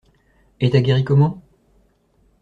Et t'as guéri comment?